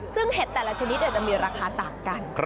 ซึ่งเห็ดแต่ละชนิดจะมีราคาต่างกัน